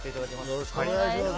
よろしくお願いします。